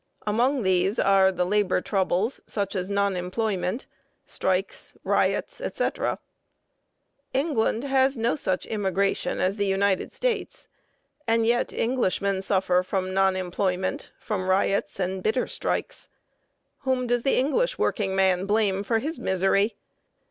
Among these are the labor troubles, such as non employment, strikes, riots, etc. England has no such immigration as the United States, and yet Englishmen suffer from non employment, from riots and bitter strikes. Whom does the English workingman blame for his misery?